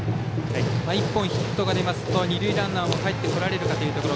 １本ヒットが出ますと二塁ランナーもかえってこられるかというところ。